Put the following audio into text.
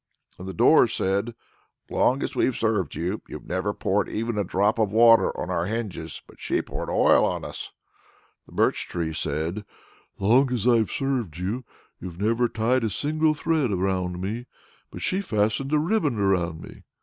And the doors said, "Long as we've served you, you've never poured even a drop of water on our hinges; but she poured oil on us." The birch tree said, "Long as I've served you, you've never tied a single thread round me; but she fastened a ribbon around me."